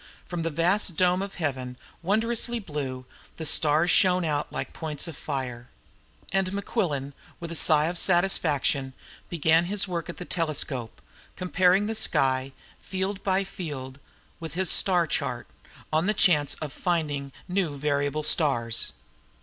From the vast dome of heaven, wondrously blue, the stars shone out like points of fire. And Mequillen, with a sigh of satisfaction, began his work at the telescope, comparing the sky, field by field, with his star chart, on the chance of finding new variable stars.